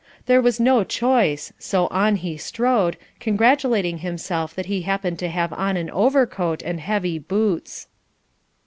There was no choice, so on he strode, congratulating himself that he happened to have on an overcoat and heavy boots.